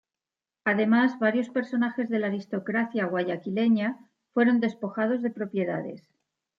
Además, varios personajes de la aristocracia guayaquileña fueron despojados de propiedades.